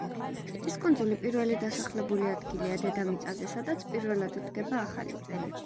პიტის კუნძული პირველი დასახლებული ადგილია დედამიწაზე, სადაც პირველად დგება ახალი წელი.